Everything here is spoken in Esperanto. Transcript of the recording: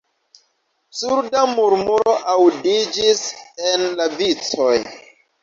Surda murmuro aŭdiĝis en la vicoj.